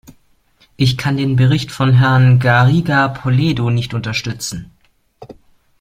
Ich kann den Bericht von Herrn Garriga Polledo nicht unterstützen.